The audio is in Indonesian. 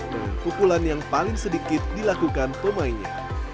dengan pukulan yang paling sedikit dilakukan pemainnya